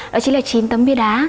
đó chính là chín tấm bia đá